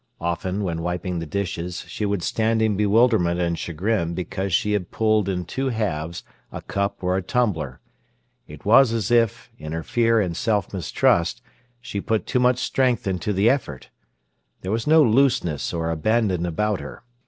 Often, when wiping the dishes, she would stand in bewilderment and chagrin because she had pulled in two halves a cup or a tumbler. It was as if, in her fear and self mistrust, she put too much strength into the effort. There was no looseness or abandon about her.